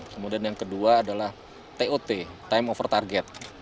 kemudian yang kedua adalah tot time over target